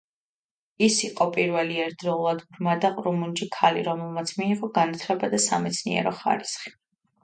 ის იყო პირველი ერთდროულად ბრმა და ყრუ-მუნჯი ქალი, რომელმაც მიიღო განათლება და სამეცნიერო ხარისხი.